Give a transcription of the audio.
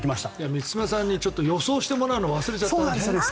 満島さんに予想してもらうのを忘れちゃったね。